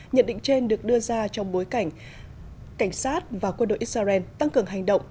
nhận định trên được đưa ra trong bối cảnh cảnh sát và quân đội israel tăng cường hành động